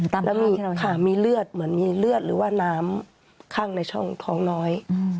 แล้วมีค่ะมีเลือดเหมือนมีเลือดหรือว่าน้ำข้างในช่องท้องน้อย